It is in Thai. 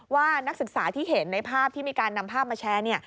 ว่านักศึกษาที่เห็นในภาพที่มีการนำภาพมาแชร์